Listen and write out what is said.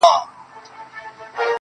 د نازولي یار په یاد کي اوښکي غم نه دی؟